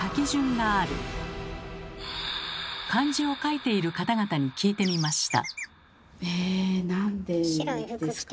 漢字を書いている方々に聞いてみました。